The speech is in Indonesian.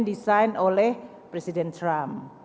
di sign oleh presiden trump